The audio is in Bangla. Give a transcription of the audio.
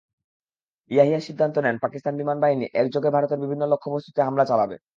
ইয়াহিয়া সিদ্ধান্ত নেন, পাকিস্তান বিমানবাহিনী একযোগে ভারতের বিভিন্ন লক্ষ্যবস্তুতে হামলা চালাবে।